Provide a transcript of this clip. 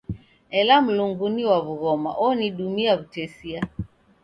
Ela Mlungu ni wa w'ughoma onidumia w'utesia.